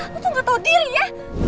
lu tuh gak tau diri ya